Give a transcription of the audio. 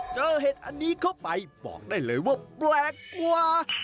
เห็ดอันนี้เข้าไปบอกได้เลยว่าแปลกกว่า